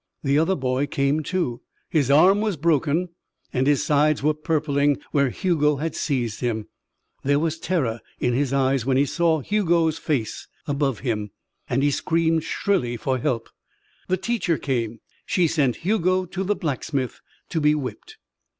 The other boy came to. His arm was broken and his sides were purpling where Hugo had seized him. There was terror in his eyes when he saw Hugo's face above him, and he screamed shrilly for help. The teacher came. She sent Hugo to the blacksmith to be whipped.